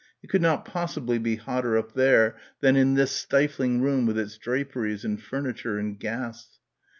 It could not possibly be hotter up there than in this stifling room with its draperies and furniture and gas.